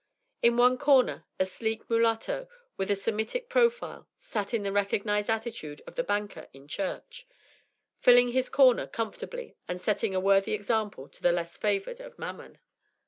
In one corner a sleek mulatto with a Semitic profile sat in the recognized attitude of the banker in church; filling his corner comfortably and setting a worthy example to the less favoured of Mammon.